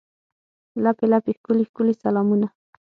لپې، لپې ښکلي، ښکلي سلامونه